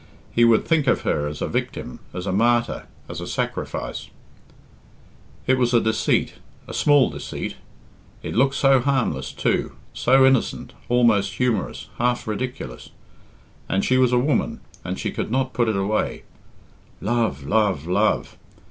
He would think of her as a victim, as a martyr, as a sacrifice. It was a deceit a small deceit; it looked so harmless, too so innocent, almost humorous, half ridiculous; and she was a woman, and she could not put it away. Love, love, love!